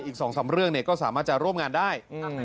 อีก๒๓เรื่องก็สามารถจะร่วมงานได้